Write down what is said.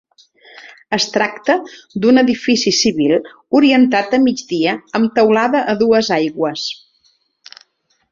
Es tracta d'un edifici civil orientat a migdia amb teulada a dues aigües.